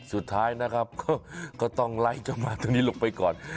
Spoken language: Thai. สุดท้ายนะครับก็ต้องไล่เจ้าหมาตรงนี้ลงไปก่อน